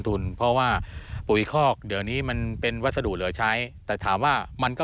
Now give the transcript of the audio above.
ทุนเพราะว่าปุ๋ยคอกเดี๋ยวนี้มันเป็นวัสดุเหลือใช้แต่ถามว่ามันก็